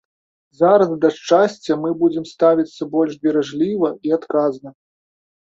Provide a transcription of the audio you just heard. Зараз да шчасця мы будзем ставіцца больш беражліва і адказна.